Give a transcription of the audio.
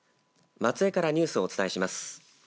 松江からニュースをお伝えします。